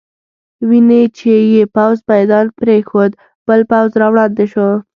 وینې چې یو پوځ میدان پرېښود، بل پوځ را وړاندې شو.